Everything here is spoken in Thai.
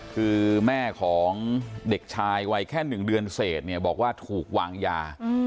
คือแม่ของเด็กชายวัยแค่๑เดือนเศษเนี่ยบอกว่าถูกวางยา